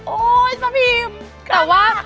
โอ๊ยป้าพิมพ์กล้ามาก